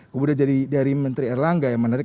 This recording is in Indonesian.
kemudian dari menteri erlangga yang menarik